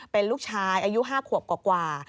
เป็นลูกชายอายุ๕ขวบกว่า